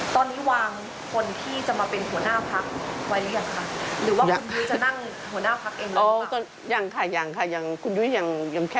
ตอนนี้วางคนที่จะมาเป็นหัวหน้าพรรคไว้หรือยังค่ะ